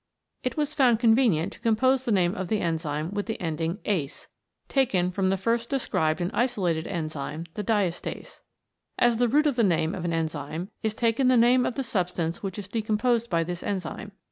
It was found convenient to compose the name of the enzyme with the ending ase, taken from the first described and isolated enzyme, the Diastase. As the root of the name of an enzyme, is taken the name of the substance which is decomposed by this enzyme.